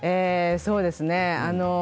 そうですね